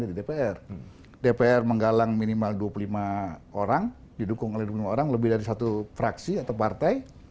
di dpr dpr menggalang minimal dua puluh lima orang didukung oleh dua puluh lima orang lebih dari satu fraksi atau partai